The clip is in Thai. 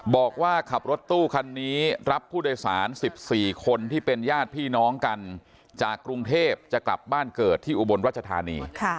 บอกว่าขับรถตู้คันนี้รับผู้โดยสาร๑๔คนที่เป็นญาติพี่น้องกันจากกรุงเทพจะกลับบ้านเกิดที่อุบลรัชธานี